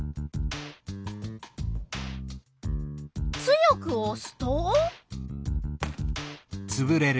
強くおすと？